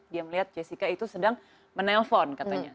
dia melihat jessica itu sedang menelpon katanya